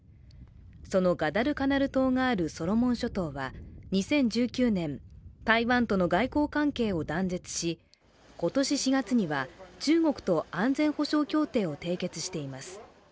そのガダルカナル島があるソロモン諸島は２０１９年、台湾との外交関係を断絶し今年４月には、中国と安全保障協定を締結しています。